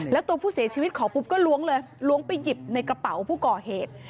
แล้วตัวผู้เสียชีวิตขอปุ๊บก็ล้วงเลยล้วงไปหยิบในกระเป๋าผู้ก่อเหตุ